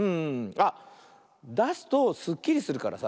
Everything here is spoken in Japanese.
あっだすとすっきりするからさ